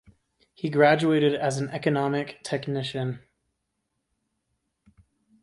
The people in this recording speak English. He graduated as an economic technician.